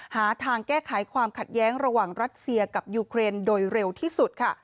หาทางแก้ไขความขัดแย้งระหว่างรัสเซียกับยูเครนโดยเร็วที่สุดค่ะ